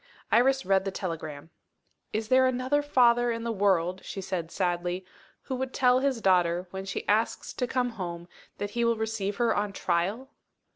Iris read the telegram. "Is there another father in the world," she said sadly, "who would tell his daughter, when she asks to come home, that he will receive her on trial?"